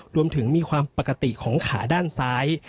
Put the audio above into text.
รวมถึงมีความปกติของขาด้านซ้าย